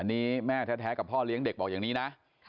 อันนี้แม่แท้กับพ่อเลี้ยงเด็กบอกอย่างนี้นะ